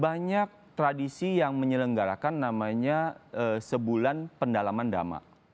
banyak tradisi yang menyelenggarakan namanya sebulan pendalaman dama